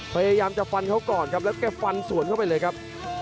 พยายามจะฟันเขาก่อนครับแล้วแกฟันสวนเข้าไปเลยครับ